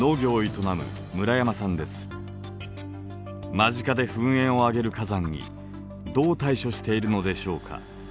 間近で噴煙を上げる火山にどう対処しているのでしょうか。